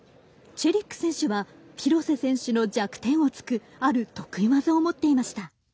チェリック選手は廣瀬選手の弱点をつくある得意技を持っていました。